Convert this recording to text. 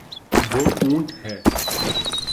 وہ اونٹ ہے